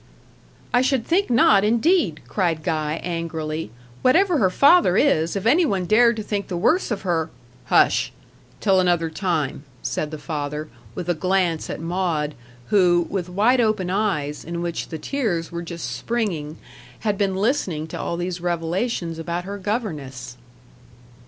"I should think not, indeed!" cried Guy, angrily. "Whatever her father is, if any one dared to think the worse of her " "Hush! till another time," said the father, with a glance at Maud, who, with wide open eyes, in which the tears were just springing, had been listening to all these revelations about her governess.